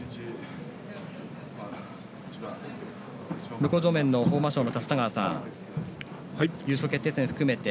向正面の豊真将の立田川さん優勝決定戦を含めて